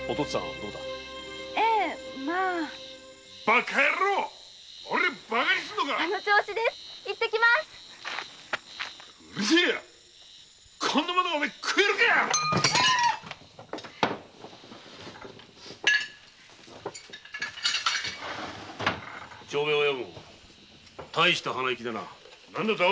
何だと大した鼻息だな。